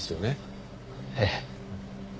ええ。